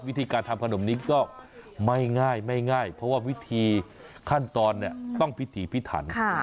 วิธีการทำขนมนี้ก็ไม่ง่ายไม่ง่ายเพราะว่าวิธีขั้นตอนต้องพิถีพิถัน